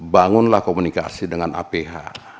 bangunlah komunikasi dengan aph